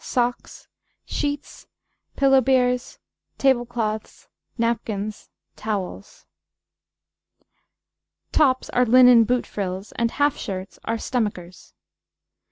Sockes. Sheetes. Pillowberes. Table Clothes. Napkins. Towells. Topps are linen boot frills, and halfshirts are stomachers.